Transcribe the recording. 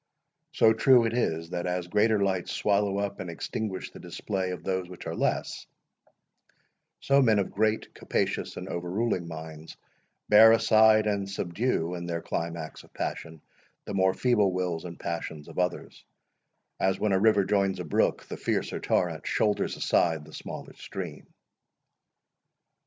So true it is, that as greater lights swallow up and extinguish the display of those which are less, so men of great, capacious, and overruling minds, bear aside and subdue, in their climax of passion, the more feeble wills and passions of others; as, when a river joins a brook, the fiercer torrent shoulders aside the smaller stream.